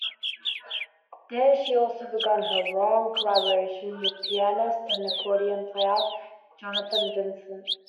There she also began her long collaboration with pianist and accordion player Jonathan Vincent.